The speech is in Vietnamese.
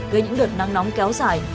gây những đợt nắng nóng kéo dài